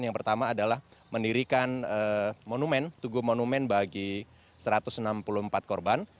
yang pertama adalah mendirikan monumen tugu monumen bagi satu ratus enam puluh empat korban